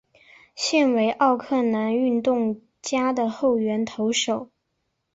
现为奥克兰运动家的后援投手。